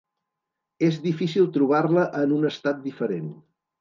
És difícil trobar-la en un estat diferent.